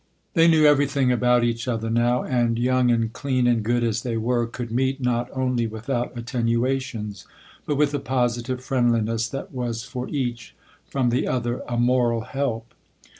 They knew everything about each other now and, young and clean and good as they were, could meet not only without attenuations, but with a positive friendliness that was for each, from the other, a moral help.